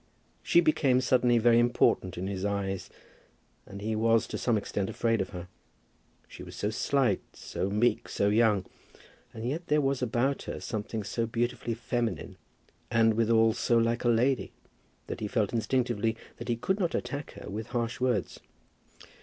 She became suddenly very important in his eyes, and he was to some extent afraid of her. She was so slight, so meek, so young; and yet there was about her something so beautifully feminine, and, withal, so like a lady, that he felt instinctively that he could not attack her with harsh words.